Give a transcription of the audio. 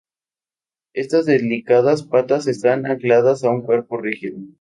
Estas delicadas patas están ancladas en un cuerpo rígido.